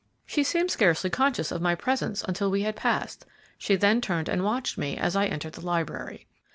"She seemed scarcely conscious of my presence until we had passed; she then turned and watched me as I entered the library."